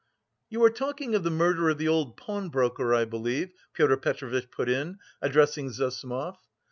"You are talking of the murder of the old pawnbroker, I believe?" Pyotr Petrovitch put in, addressing Zossimov.